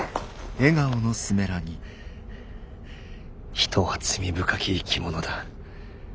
人は罪深き生き物だ。